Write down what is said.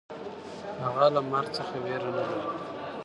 هغه له مرګ څخه وېره نهلري.